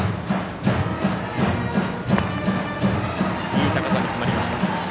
いい高さに決まりました。